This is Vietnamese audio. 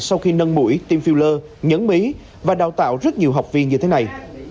sau khi nâng mũi tiêm filler nhấn bí và đào tạo rất nhiều học viên như thế này